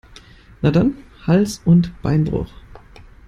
Na dann, Hals- und Beinbruch!